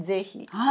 はい！